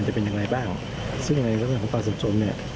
ใช้มาแล้วประมวลในพื้นที่นี้